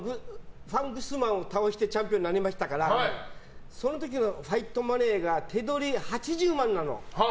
チャンピオンになりましたからその時のファイトマネーが手取り８０万なの。